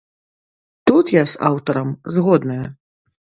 Тут я з аўтарам згодная.